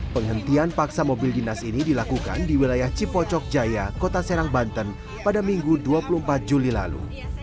penghentian paksa mobil dinas ini dilakukan di wilayah cipocok jaya kota serang banten pada minggu dua puluh empat juli lalu